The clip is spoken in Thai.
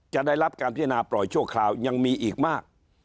จะได้รับการพิจารณาปล่อยชั่วคราวยังมีอีกมาก